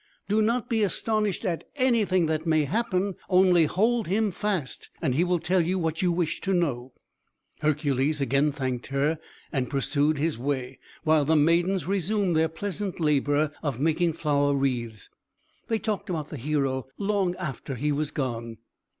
"Do not be astonished at anything that may happen. Only hold him fast, and he will tell you what you wish to know." Hercules again thanked her, and pursued his way, while the maidens resumed their pleasant labour of making flower wreaths. They talked about the hero long after he was gone.